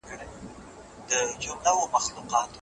هغه باید د خپلو اولادونو لپاره نفقه پیدا کړي.